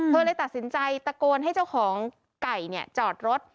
เลยตัดสินใจตะโกนให้เจ้าของไก่จอดรถ